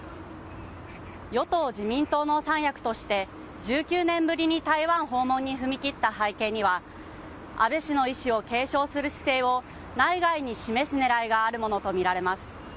与党自民党の三役として１９年ぶりに台湾訪問に踏み切った背景には、安倍氏の遺志を継承する姿勢を内外に示すねらいがあるものと見られます。